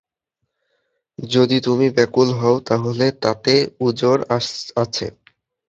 যদি তুমি ব্যাকুল হও তাহলে তাতে উযর আছে।